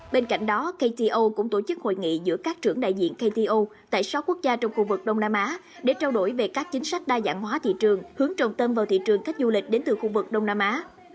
bên cạnh đó kto cũng tổ chức hội nghị giữa các trưởng đại diện kto tại sáu quốc gia trong khu vực đông nam á để trao đổi về các chính sách đa dạng hóa thị trường hướng trồng tâm vào thị trường khách du lịch đến từ khu vực đông nam á